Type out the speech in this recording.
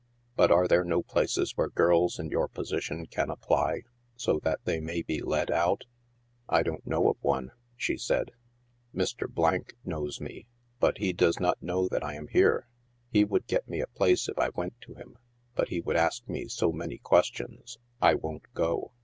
"But are there no places where girls in your position can apply, so that they may be led out ?" "I don't know of one," she said. "Mr. knows me, but he does not know that I am here ; he would get me a place if I went to him, but he would ask me so many questions, I won ; t go.